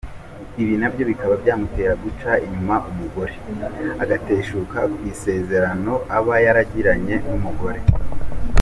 Ibi bikaba nabyo byamutera guca inyuma umugore agateshuka ku isezerano aba yaragiranye n’umugore.